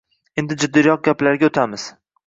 Endi jiddiroq gaplarga o’tamiz.